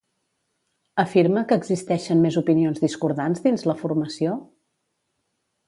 Afirma que existeixen més opinions discordants dins la formació?